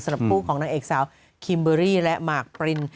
สำหรับผู้ของนางเอกสาวคิมเบอรี่และมาร์กปริน